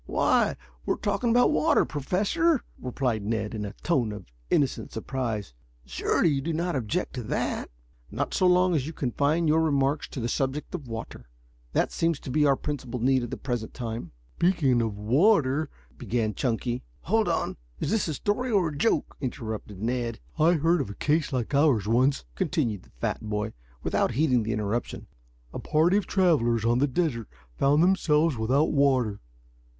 "Why, we're talking about water, Professor," replied Ned in a tone of innocent surprise. "Surely you do not object to that?" "Not so long as you confine your remarks to the subject of water. That seems to be our principal need at the present time." "Speaking of water " began Chunky. "Hold on; is this a story or a joke?" interrupted Ned. "I heard of a case like ours once," continued the fat boy, without heeding the interruption. "A party of travelers on the desert found themselves without water.